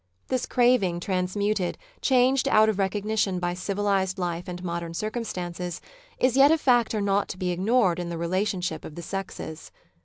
This craving, transmuted, changed out of recognition by civilised life and modern circumstances, is yet a factor not to be ignored in the relationship of the sexes.